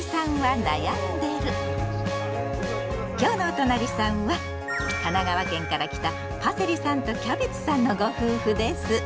今日の「おとなりさん」は神奈川県から来たパセリさんとキャベツさんのご夫婦です。